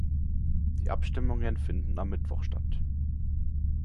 Die Abstimmungen finden am Mittwoch statt.